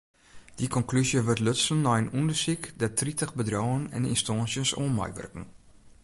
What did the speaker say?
Dy konklúzje wurdt lutsen nei in ûndersyk dêr't tritich bedriuwen en ynstânsjes oan meiwurken.